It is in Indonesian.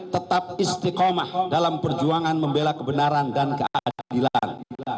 tetap istiqomah dalam perjuangan membela kebenaran dan keadilan